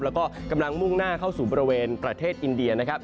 แล้วก็กำลังมุ่งหน้าเข้าสู่บริเวณประเทศอินเดียนะครับ